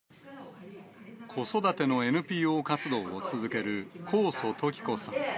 子育てのＮＰＯ活動を続ける、高祖常子さん。